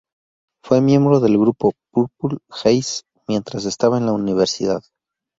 Fue miembro del grupo "Purple Haze" mientras estaba en la universidad.